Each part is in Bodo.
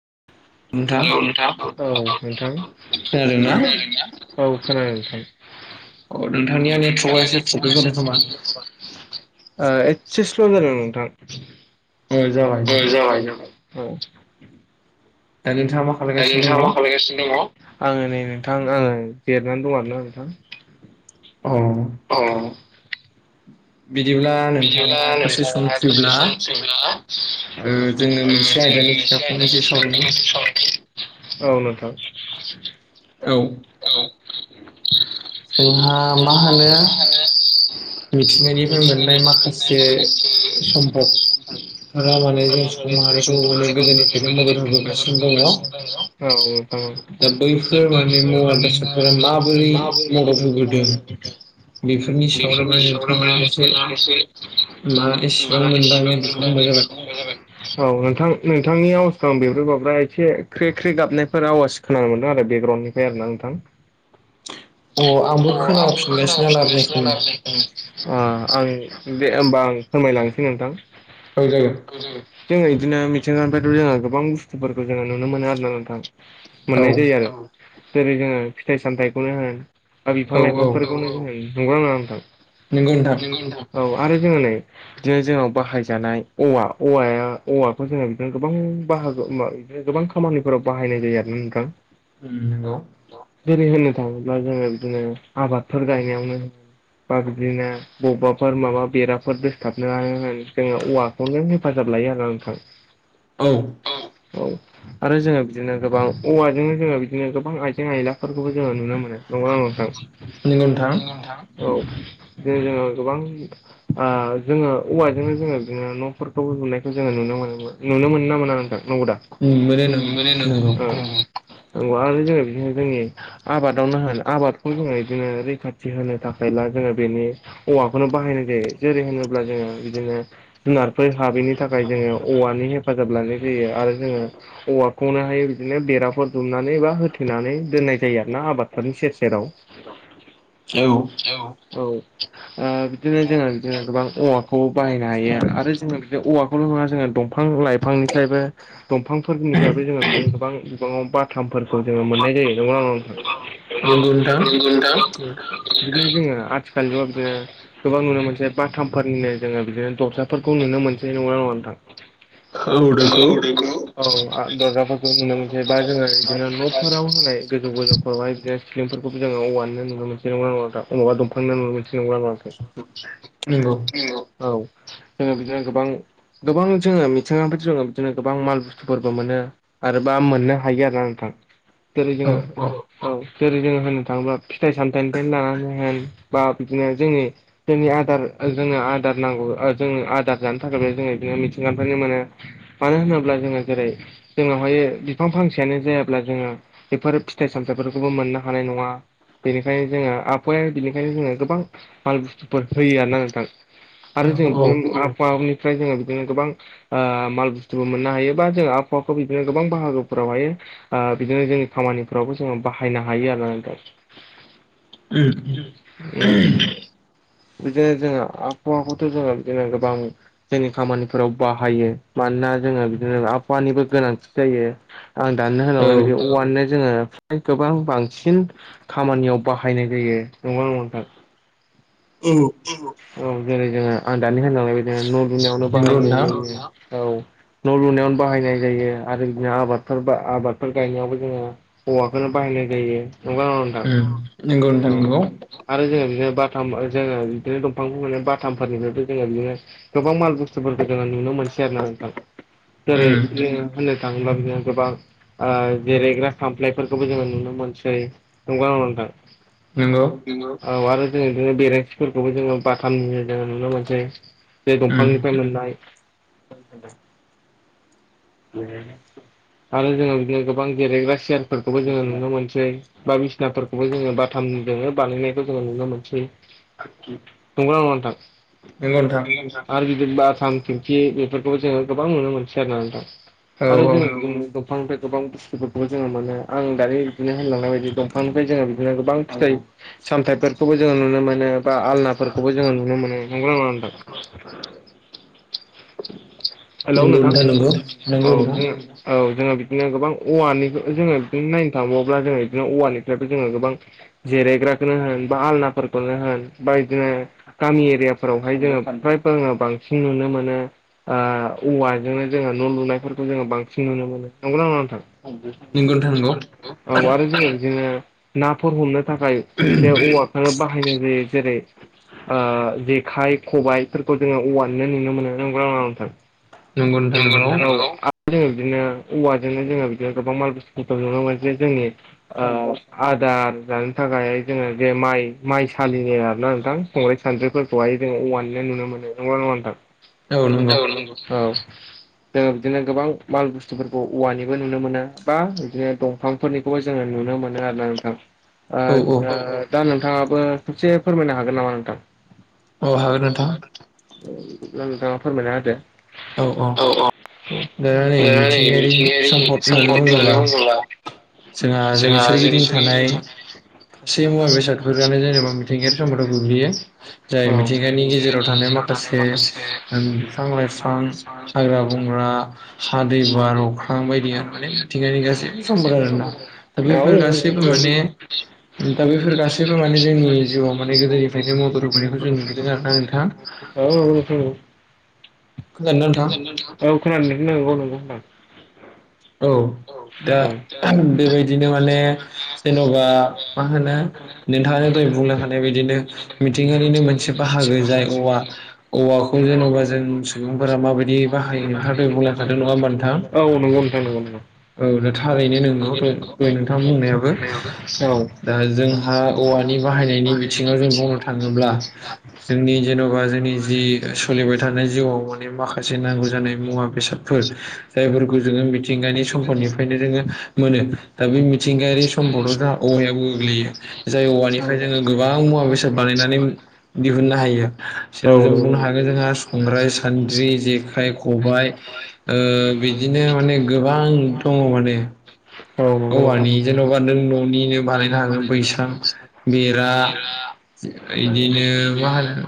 [inaudible] हेल नोंथां औ नोंथां औ खोनादोंना अ [unintelligible] नोंथांनिया खोनादों नेटवर्कआ एसे नोंथां प्रब्लेम जादों खोमा [unintelligible] एसे स्ल' जादों नोंथां अ जाबाय जाबाय औ दा नोंथाङा मा दा खालायगासिनो दङ नोंथाङा मा खालामलगासिनो दङ आं नै नोंथां आङो जिरायनानै दं आरोना नोंथां औ बिदिब्ला बिदिब्ला नोंथाङा दसे सम नोंथाङा दसे फ्रिब्ला सम फैब्ला ओ ओ जोङो मोनसे आयदानि सायाव फंनैसो सावरायनि जोङो [unintelligible] औ नोंथां औ औ जोंहा मा होनो मिथिंनायनिफ्राय मोननाय माखासे सम्भबफोरा माने जों समा मानायखौ नुनो गोदोनिफ्रायनो मदद होबोगासिनो औ नोंथां दङ दा बैफोर माने मुवा बेसादफोरा माबोरै मदद होबोदों बेफोरनि सायावनो बेफोरनि माने सायाव नोंथाङा माने नोंथाङा एसे मा मा एसेबां मोनदाङो एसेबां बेखौ बुंबाय मोनबां जाबाय जाबाय औ नोंथां नोंथांनि आवाजखौ आं बेब्रे बाब्रा एसे ख्रे ख्रे गाबनायफोर आवाज खोनानो मोनदों आरो बेकग्राउन्डनिफ्राय आरो ना आं थां अ आं अ आंबो खोना फिनगासिनो आं दे होमबा आं फोरमायलांसै नोंथां औ जागोन जोङो इदिनो मिथिंगा बेथ' जोङो गोबां बुस्थुफोरखौ जोङो नुनो मोनो आरोना नोंथां औ मोननाय जायो आरो जेरै जोङो फिथाइ सामथायखौनो होन बा औ बिफां लाइफांफोरखौनो होन नंगौना नङा नोंथां नोंगौ नोंथा औ आरो जोङो नै बिदिनो जोंनाव बाहायजानाय औवा औवाया औवाखौ जोङो बिदिनो गोबां बाहागो बिनो गोबां खामानिफोराव बाहायनाय जायो आरोना नोंथां उम नंगौ जरै होननो थाङोब्ला जोङो बिदिनो आबादफोर गायनायावनो बा बिदिनो बबेबाफोर माबा बेराफोर दोसथाबनो आनो होन जोङो औवाखौनो हेफाजाब लायो आरोना नोंथां औ औ आरो जोङो बिदिनो गोबां औवाजोंनो जोङो बिदिनो गोबां आइजें आइलाफोरखौबो जोङो नंगौ ना नङा नोंथां औ नोंथां औ जे जोङो गोबां ओ जोङो औवाजोंनो जोङो बिदिनो न'फोरखौ लुनायखौ जोङो नुनो मोनोमोन नुनो मोनो ना मोना नोंथां नंगौदा नोङो मोनो नोंथां नंगौ औवा आरो जोङो बिदिनो जोंनि आबादावनो होन आबादखौ जोङो बिदिनो रैखाथि होनो थाखायला जोङो बेनि औवाखौनो बाहायनाय जायो जेरै होनोब्ला जोङो बिदिनो जुनारफोर हाबैनि थाखाय जोङो औवानि हेफाजाब लानाय जायो आरो जोङो औवाखौनोहाय बिदिनो बेराफोर दुमनानै एबा होथेनानै दोननाय जायो आरोना आबादफोरनि जेराव औ औ ओ बिदिनो जोङो बिदिनो गोबां औवाखौ बाहायनो हायो आरो जोंङो बे औवाखौल' नङा जोंङो दंफां लाइफांनिफ्रायबो दंफांफोरनिफ्रायबो जोंङो गोबां बिबांङाव बाथामफोरखौ जोंङो मोननाय जायो [unintelligible] नोंगौ। नोंगौ नोंथां। बिदिनो जोंङो आथिखाल जुगाव बिदिनो गोबां नुनो मोनसे बाथामफोरनिनो जोङो बिदिनो दरजाफोरखौ नुनो मोनसै नंगौ ना नङा नोंथां औ नंगौ औ। ओ दरजाफोरखौ नुनो मोनसै बा जोङो बिदिनो न'फोराव होनाय गोजौ गोजौफोरावहाय बिदि फोरखौबो जोंओ औवानिनो नुनो मोनसै [unintelligible] नंगौ [unintelligible] औ जोंङो बिदिनो गोबां गोबां जोंङो मिथिंगानिफ्राय जोंङो बिदिनो गोबां माल बुस्थुफोरबो मोनो। आरोबा मोननो हायो आरोना नोंथां जेरै औ जोंङो औ जेरै जोङो होनो थाङोब्ला फिथाइ सामथाइनिफ्रायनो लानानै होन बा बिदिनो जोंनि जोंनि आदार जोंङो आदार नांगौ जोंनो आदार जानो थाखायबो जोंङो बिदिनो मिथिंगाफोरनो मोनो मानो होनोब्ला जोंङो जेरै जोंनावहायो बिफां फांसेआनो जायाब्ला जोंङो बेफोर फिथाइ सामथाफोर खौबो मोननो हानाय नङा। बेनिखायनो जोंङो आबहावाया बेनिखायनो जोंङो गोबां माल बुस्थुफोर होयो आरो ना नोंथां। आरो औ जों बिदिनो आबहानिफ्राय जोंङो बिदिनो गोबां ओ माल बुस्थुबो मोननो हायो बा जों आब हावाखौ बिदिनो गोबां बाहागोफोरावहाय ओ बिदिनो जोंनि खामानिफोरावबो जों बाहायनो हायो आरो ना दा उम। [inaudible] बिदिनो जोंङो आबहावाखौथ' जोंङो बिदिनो गोबां जोंनि खामानिफोराव बाहायो मा दाना जोंङो बिदिनो आबहानिबो गोनांथि जायो आं दाननो होनांनाय बिदि औवानिनो जोंङो गोबां बांसिन खामानियाव बाहायनाय जायो नंगौ ना नङा नोंथां? औ। औ जेरै जोंङो आं दानि होनलांनायदिनो न' लुनायावनो नंगौ बाहायनाय नोंथां [unintelligible] औ। न' लुनायावनो बाहायनाय जायो आरो बिदिनो आबादफोर बा आबादफोर गायनायावबो जोंङो औवाफोरनो बाहायनाय जा जायो नंगौ ना नंआ नोंथां? नंगौ नोंथां औ नंगौ। आरो जोङो बिदिनो बाथाम जोंङो बिदिनो दंफांखौ बाथामफोरनिफ्रायथ' जोङो बिदिनो गोबां माल बुस्थुफोरखौ जोंङो नुनो मोनसै आरो ना। जेरै जोंङो होननो थाङोब्ला जोंङो गोबां ओ जिरायग्रा खामफ्लायफोरखौबो जोंङो नुनो मोनसै नंगौ ना नंआ नोंथां? नोंगौ। नंगौ। औ आरो‌ जों बिदिनो बेरेनसि फोरखौबो जोंङो बाथामनि जोंङो नुनो मोनसै जे दंफांनिफ्राय मोननाय [inaudible] आरो जोंङो बिदिनो गोबां जिरायग्रा सियारफोरखौबो जोंङो नुनो मोनसै बा बिसनाफोरखौबो जोंङो बाथाम जों बानायनायखौ जोंङो नुनो मोनसै नंगौना नङा नोंथां? नोंगौ नोंथां। आरो गिदिर बाथाम खिरखि बेफोरखौबो जोंङो गोबां नुनो मोनसै आरो ना नोंथां। औ आरो औ जोंङो दंफांनिफ्राय गोबां बुस्थुफोरखौबो जोंङो मोनो आं दायो बिदिनो होनलांनाय बायदि दंफांनिफ्राय जों बिदिनो गोबां फिथाइ सामथायफोरखौबो जोंङो नुनो मोनो। बा आलनाफोरखौबो जोंङो नुनो मोनो नंगौ ना नंआ नोंथां? हेलौ नंगौ नोंथां नंगौ नंगौ औ। नोंथां औ जोंङो बिदिनो गोबां औवानि जोंङो बिदिनो नायनो थांबावोब्ला जोंङो बिदिनो औवानिफ्रायबो जोंङो गोबां जिरायग्राखौनो होन बा आलनाफोरखौनो होन बा बिदिनो गामि एरियाफोरावहाय जोंङो फ्रायबो आङो बांसिन नुनो मोनो। ओ औवाजोंनो जोंङो न' लुनायफोरखौ जोंङो बांसिन नुनो मोनो नंगौना नङा नोंथां? नंगौ नोंथां नंगौ [unintelligible] औ आरो जों जोङो नाफोर हमनो थाखाय बे औवाफ्रानो बाहायनाय जायो जेरै जेखाइ खबायफोरखौ जोङो औवानिनो नुनो मोनो नंगौ नङा नोंथां? नंगौ नथा नोंगौ। जोङो बिदिनो औवाजोंनो जोङो बिदिनो गोबां माल बुस्थुफोरखौ नुनो मोनोन जे जोंनि आदार जानो थाखायहाय जोङो जे माइ माइसालिनि आरोना नोंथां संग्राइ सान्द्रिफोरखौहाय जोङो औवानिनो नुनो मोनो नंगौना नंआ नोंथां? औ नंगौ। जोङो बिदिनो गोबां माल बुस्थुफोरखौ औवानिबो नुनो मोनो बा बिदिनो दंफांफोरनिखौबो जोङो नु ननोाव मोनो आरोना नों औ औ थां। दा नोंथाङाबो खनसे फोरमायनो हागोन नामा नोंथां? अ' हागोन नोंथां नोंथाङा फोरमायना होदो औ औ दा नै दै मिथिंगायारि होननानै सम्पद बुङोब्ला होन्नानै बुंओबा जोंहा जोंनि सोरगिदिं था गासै मुवा बेसादफोरानो जेनेबा मिथिंगायारि सम्पदाव गोग्लैयो जाय मिथिंगानि [unintelligible] आव थानाय माखासे ज बिफां-लाइफां, हाग्रा-बंग्रा हा, दै, बार, अख्रां बायदि आरो माने मिथिंगानि गासैबो समफोर आरोना दा बेफोर गासैबो। [unintelligible] [unintelligible] औ औ माने दा बैफोर गासैबो माने जोंनि जिउआव माने गोदोनिफ्रायनो मदद होबोनायखौ जों नुबोदों आरोना नोंथां खोनादोंना नोंथां औ खोनानो नंगौ नंगौ होन औ दा औ बेबायदिनो नंगौ माने जेन'बा मा होनो नोंथांनो बुंनो हानाय बिदिनो मिथिंगानिनो मोनसे बाहागो जाय औ औवा जेन'बा जों औ सुबुंफोरा माबायदि बाहायो नोंथाङा नंगौ दहाय बुंलांखादों नङा होमबा नोंथां। [unintelligible] औ दा थारैनो नंगौ नोंथाङा बुंनायाबो दा जोंहा औवा नि बाहायनायनि बिथिङाव जों बुंनो थाङोब्ला जोंनि जेन'बा जोंनि जि सोलिबाय थानाय जिउआव माने माखासे नांगौ जानाय मुवा बेसादफोर जायफोरखौ जोङो। मिथिंगायारि सम्पदनिफ्रायनो जोङो मोनो दा बे मिथिंगायारि सम्पदाव जोंहा औवायाबो गोग्लैयो । जाय औवानिफ्राय जोङो गोबां मुवा बेसाद बानायनानै। नंगौ औ दिहुननो हायो औ जेराव नंगौ जों नंगौ। बुंनो हागोन। जोंहा संग्राय-सान्द्रि, जेखाइ, खबाइ बिदिनो माने गोबां दङ' माने औ नंगौ नोंथां। औवानि जेन'बा नों न'निनो बानायनो हागोन बैसां, बेरा। बिदिनो मा होनो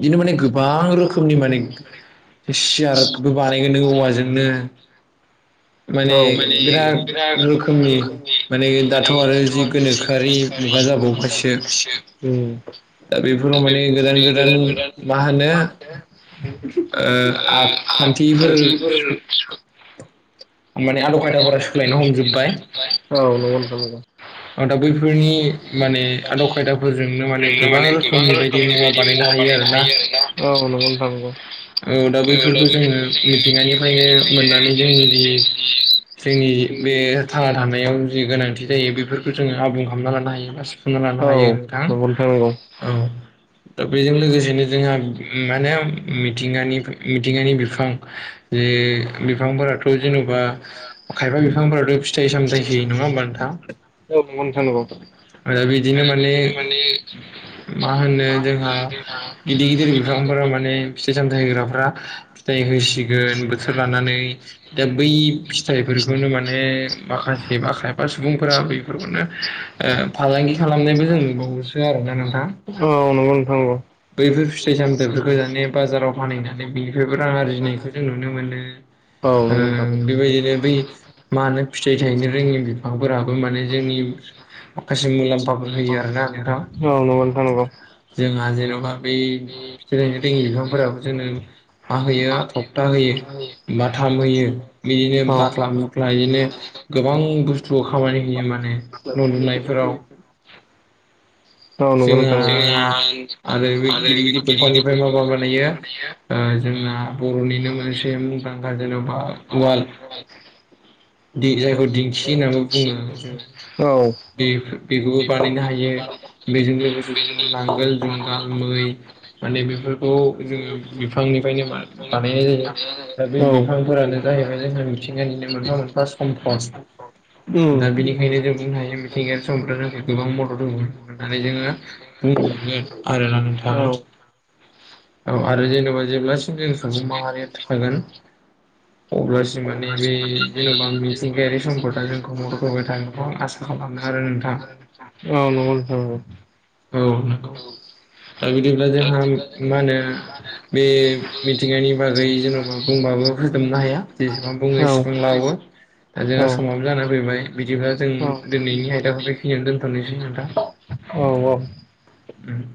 बिदिनो माने गोबां रोखोमनि माने सियारबो बानायगोन नों औवाजोंनो। औ माने बिराद रोखोमनि माने दाथ' जि आरो जे गोनोखोआरि गोनोखो [unintelligible] मुगा जाबावबायसो बे माने गोदान गोदान मा होनो आखान्थिफोर। माने आदब [unintelligible] खायदाफोरा सोलायनो मोनो हमजोब्बाय माने गोबां रोखोमनि दा बैफोरनि बायदि माने मुवा आदब बानायनो खायदाफोरजोंनो माने हायो गोबां रोखोमनि आरो बायदि मुवा बानायनो ना हायो आरोना औ नंगौ नंगौ। औ दा बैफोरखौ जोङो मिथिंगानिफ्रायनो मोननानै जोंनि जि जोंनि बे थांना थानायाव जि गोनांथि जायो बेफोर जोङो आबुं खालामना लानो हायो बा सुफुंना लानो औ हायो नोंथां नंगौ नंगौ औ। दा बेजों लोगोसेनो जोंहा माने मिथिंगानि मिथिंगानि बिफां जे। बिफांफोराथ' जेन'बा खायफा बिफांफोराथ' फिथाइ-सामथाय होयो नङा होमबा नोंथां? [unintelligible] आ बिदिनो माने मा होनो जोंहा गिदिर गिदिर बिफां फोरा माने फिथाइ सामथाइ होग्राफ्रा। फिथाइ होसिगोन बोथोर लानानै दा बै फिथाइफोरखौनो माने। माखासे बा खायफा सुबुंफोरा बे फोरखौनो ओ फालांगि खालामनायबो जों नुबावोसो आरोना नोंथां। नंगौ औ नंगौ नोंथां नंगौ बैफोर फिथाइ सामथाइफोरखौ जानि बाजाराव फानहैनानै बिनिफ्रायबो रां आरजिनायखौ जों नुनो मोनो। औ ओ नंगौ नोंथां नंगौ बेबायदिनो बै मा होनो फिथाइ थायनो रोङि बिफांफोराबो माने। जोंनि माखासे मुलाम्फाफोर होयो आरोना नोंथां। जोंहा जेन'बा बे फिथाय थायनोरोङि बिफांफोराबो जोंनो मा होयो थफथा होयो। बाथाम होयो। बिदिनो बाखला मुखला बिदिनो गोबां बुस्थुआव खामानि होयो। मान माने न' लुनायफोराव। जोंहा आन आरो बे गिदिर गिदिर दंफांनिफ्राय माबा बानायो? ओ जोंना बर'निनो मोनसे मुंदांखा जेन'बा अवाल दि जायखौ दिंखि होननानैबो बुङो जोङो। औ बेफोर बेखौबो बानायनो हायो। बेजों लोगोसे जोंहा नांगोल, जुंगाल, मै माने बेफोरखौ जोङो बेफोर फांनिफायनो मा बानायनाय जायो। दा बे औ उम बिफांफोरानो जाहैबाय जोंहा मिथिंगानिनो मोनफा मोनफा सम्पद। दा बेनिखायनो जों बुंनो हायो। मिथिंगायारि सम्पदा जोंखौ गोबां मदद होबोदों, होननानै जोङो मुंसुगोन। आरो ना नोंथां। औ औ आरो जेनेबा जेब्लासिम जों सुबुं माहारिया थागोन। अब्लासिम माने बे जेनेबा मिथिंगायारि सम्पदा जोंखौ मदद होबाय थागोनखौ आं आसा खामो आरो नोंथां। औ नंगौ नोंथां औ। औ [inaudible] दा बिदिब्ला जोंहा मा होनो बे मिथिंगानि बागै जेन'बा बुंबाबो हो होजोबनो हाया। जेसेबां बुङो औ एसेबां लानो। दा औ जोंहा समाबो जानानै फैबाय। बिदिब्ला जों दिनैनि आयदाखौ बेखैनानै दोनथ'नोसै नोंथां। औ औ औ उम